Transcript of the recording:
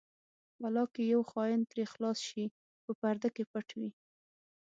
ولاکه یو خاین ترې خلاص شي په پرده کې پټ وي.